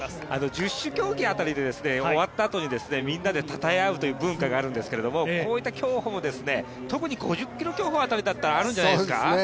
十種競技で終わったあとに、みんなでたたえ合うという文化があるんですけど、こういった競歩も特に５０ｋｍ競歩あたりだとあるんじゃないですか？